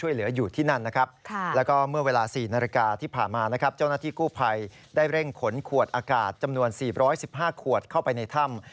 เหมือนขวดอากาศจำนวน๔๑๕ขวดเข้าไปในถ้ำ